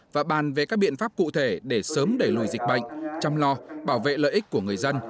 và bàn về các biện pháp cụ thể để sớm đẩy lùi dịch bệnh chăm lo bảo vệ lợi ích của người dân